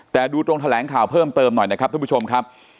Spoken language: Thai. แต่ดูตรงแถลงข่าวเพิ่มเติมหน่อยนะครับทุกผู้ชมครับ